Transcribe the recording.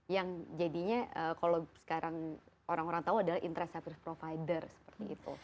yang jadinya kalau sekarang orang orang tahu adalah interest service provider seperti itu